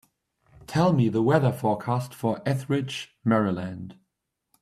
Tell me the weather forecast for Ethridge, Maryland